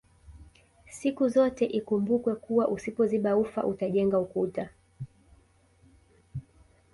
Sikuzote ikumbukwe kuwa usipoziba ufa utajenga ukuta